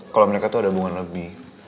kalau mereka tuh ada hubungan lebih